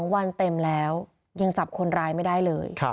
๒วันเต็มแล้วยังจับคนร้ายไม่ได้เลย